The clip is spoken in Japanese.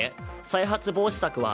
再発防止策は。